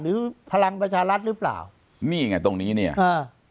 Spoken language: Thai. พลังประชารัฐหรือเปล่านี่ไงตรงนี้เนี่ยอ่า